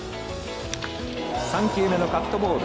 ３球目のカットボール。